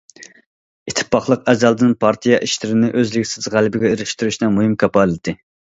ئىتتىپاقلىق ئەزەلدىن پارتىيە ئىشلىرىنى ئۈزلۈكسىز غەلىبىگە ئېرىشتۈرۈشنىڭ مۇھىم كاپالىتى.